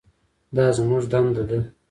دا زموږ دنده ده.